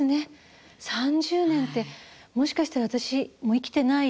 ３０年って、もしかしたら私、もう生きてないかもしれない。